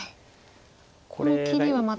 この切りはまた。